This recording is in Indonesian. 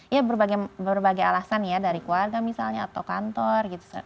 ya berbagai alasan ya dari keluarga misalnya atau kantor gitu